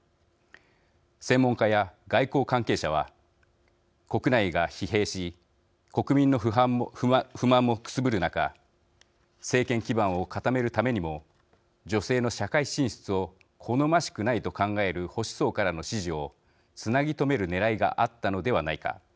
専門家や外交関係者は国内が疲弊し国民の不満もくすぶる中政権基盤を固めるためにも女性の社会進出を好ましくないと考える保守層からの支持をつなぎとめるねらいがあったのではないか。